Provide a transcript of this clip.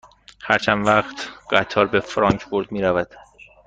هر چند وقت قطار به فرانکفورت می رود؟